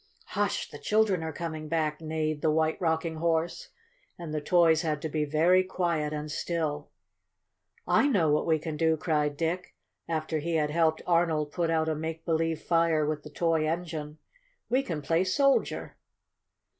"Hush! The children are coming back!" neighed the White Rocking Horse, and the toys had to be very still and quiet. "I know what we can do!" cried Dick, after he had helped Arnold put out a make believe fire with the toy engine. "We can play soldier!"